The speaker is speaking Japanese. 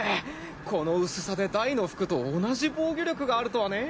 この薄さでダイの服と同じ防御力があるとはね。